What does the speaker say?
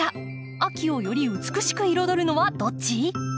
秋をより美しく彩るのはどっち？